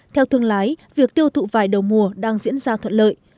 theo thương lái việc tiêu thụ vải đầu mùa đang diễn ra thuận lợi